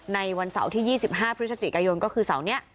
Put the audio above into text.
ในวันเสาร์ที่๒๕พฤศจิกายนก็คือเสาร์นี้